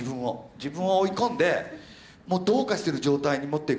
自分を追い込んでもうどうかしてる状態に持っていく。